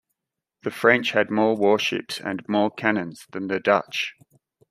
The French had more warships and more cannons than the Dutch.